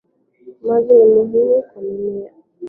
Maji ni muhimu kwa mimea